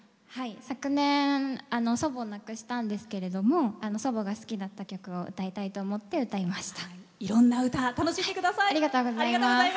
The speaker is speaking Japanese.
昨年祖母を亡くしたんですけれど祖母が好きだった曲を歌いたいと思って歌いました。